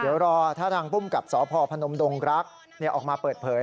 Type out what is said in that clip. เดี๋ยวรอถ้าทางภูมิกับสพพนมดงรักออกมาเปิดเผย